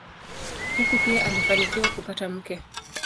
Huko pia alifanikiwa kupata mke.